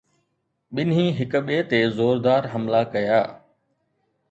ٻنهي هڪ ٻئي تي زوردار حملا ڪيا